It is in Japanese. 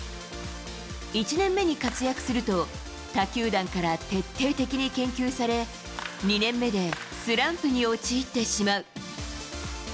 １年目に活躍すると他球団から徹底的に研究され２年目でスランプに陥ってしまう。